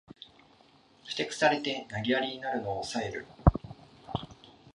ふてくされて投げやりになるのをおさえる